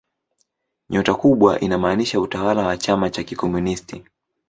Nyota kubwa inamaanisha utawala wa chama cha kikomunisti.